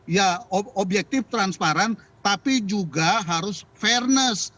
ya objektif transparan tapi juga harus fairness